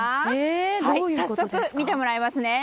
早速、見てもらいますね。